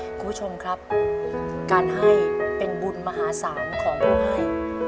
คุณผู้ชมครับการให้เป็นบุญมหาศาลของผู้ให้